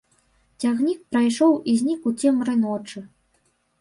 Цягнік прайшоў і знік у цемры ночы.